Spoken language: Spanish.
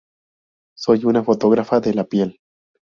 Soy una fotógrafa de la piel".